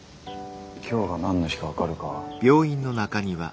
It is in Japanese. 今日が何の日か分かるか？